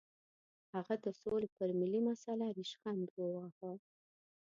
هغه د سولې پر ملي مسله ریشخند وواهه.